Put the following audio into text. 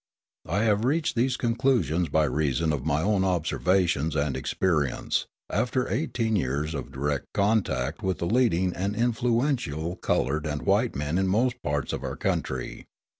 I have reached these conclusions by reason of my own observations and experience, after eighteen years of direct contact with the leading and influential coloured and white men in most parts of our country.